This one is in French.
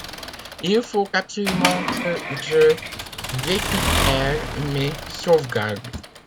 Il faut absolument que je récupère mes sauvegardes.